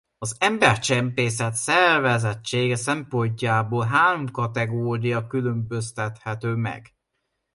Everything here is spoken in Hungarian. Az embercsempészet szervezettsége szempontjából három kategória különböztethető meg.